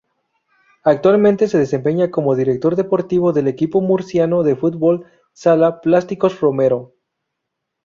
Actualmente se desempeña como director deportivo del equipo murciano de fútbol sala Plásticos Romero.